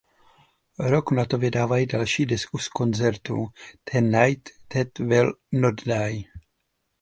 Rok na to vydávají další desku z koncertů "The Night That Will Not Die".